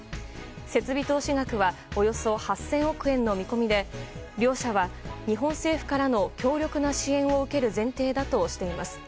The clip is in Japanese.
設備投資額はおよそ８００００億円の見込みで両社は日本政府からの強力な支援を受ける前提だとしています。